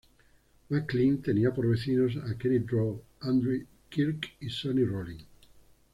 McLean tenía por vecinos a Kenny Drew, Andy Kirk y Sonny Rollins.